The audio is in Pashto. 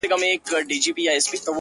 خو اوس د اوښكو سپين ځنځير پر مخ گنډلی ـ